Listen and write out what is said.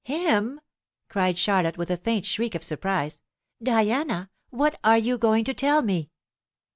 "Him!" cried Charlotte, with a faint shriek of surprise. "Diana, WHAT are you going to tell me?"